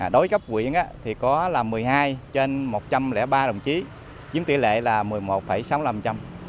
tối cấp quyển thì có là một mươi hai trên một trăm linh ba đồng chí chiếm tỷ lệ là một mươi một sáu mươi năm trăm